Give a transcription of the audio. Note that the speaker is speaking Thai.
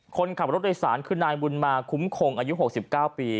คนขับรถโดยสารคือนายบุญมาคุ้มคงอายุ๖๙ปี